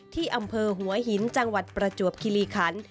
ที่อำเภอหัวหินจังหวัดประจวบคิริคัน